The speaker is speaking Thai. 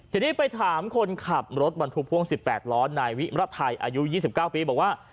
ทีนี้ไปถามคนขับรถบรรทุกพ่วง๑๘ล้อนายวิมรไทยอายุ๒๙ปีบอกว่า